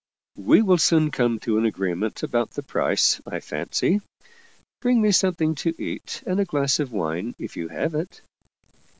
" We will soon come to an agreement about the price, I fancy. Bring me something to eat and a glass of wine if you have it."